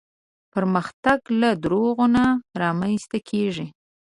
پرمختګ له دروغو نه رامنځته کېږي.